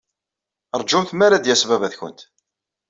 Ṛjumt mi ara d-yas baba-twent.